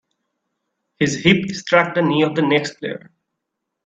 His hip struck the knee of the next player.